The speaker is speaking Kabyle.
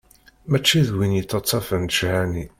Mačči d win yettaṭṭafen ccḥani.